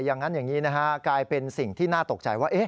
อย่างนั้นอย่างนี้กลายเป็นสิ่งที่น่าตกใจว่า